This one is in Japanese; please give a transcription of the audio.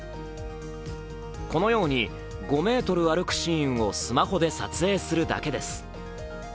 このように５ｍ歩くシーンをスマホで撮影するだけです。